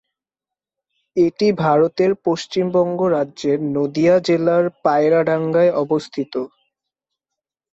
এটি ভারতের পশ্চিমবঙ্গ রাজ্যের নদীয়া জেলার পায়রাডাঙ্গায় অবস্থিত।